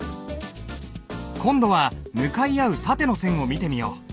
今度は向かい合う縦の線を見てみよう。